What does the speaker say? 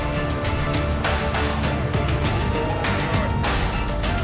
jadi kalau korbannya buka grammar di sana